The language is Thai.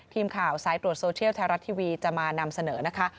ทีมข่าวสายตรวจโซเชียลไทยรัฐทีวีจะมานำเสนอนะคะ